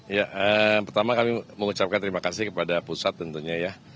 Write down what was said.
ya pertama kami mengucapkan terima kasih kepada pusat tentunya ya